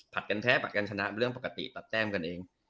กันแพ้ผลัดกันชนะเรื่องปกติตัดแต้มกันเอง